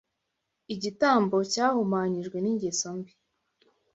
igitambo cyahumanyijwe n’ingeso mbi